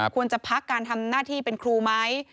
ควรจะพักการทำหน้าที่เป็นครูไหม